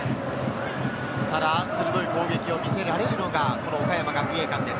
ただ鋭い攻撃を見せられるのがこの岡山学芸館です。